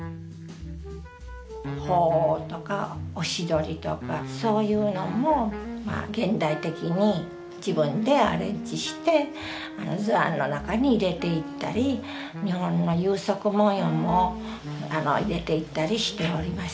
鳳凰とかオシドリとかそういうのも現代的に自分でアレンジして図案の中に入れていったり日本の有職文様も入れていったりしております。